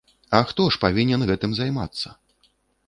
А хто ж павінен гэтым займацца?